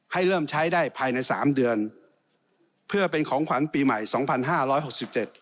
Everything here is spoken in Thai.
ให้เริ่มใช้ได้ภายในสามเดือนเพื่อเป็นของขวัญปีใหม่สองพันห้าร้อยหกสิบเจ็ด